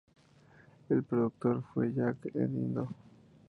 El Productor Fue Jack Endino.